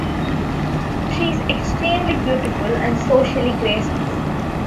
She is extremely beautiful and socially graceful.